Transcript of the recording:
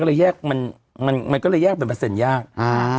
ก็เลยแยกมันมันก็เลยแยกเป็นเปอร์เซ็นต์ยากอ่า